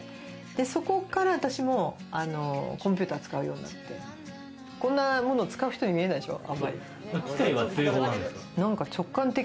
そこから私もコンピューターを使うようになってこんなものを使う人に見えないでしょ。